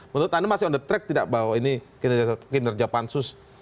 menurut anda masih on the track tidak bahwa ini kinerja pansus